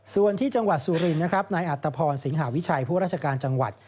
ส่วนที่จังหวัดสุรินนะครับนายอัตภพรสิงหาวิชัยผู้ราชการจังหวัด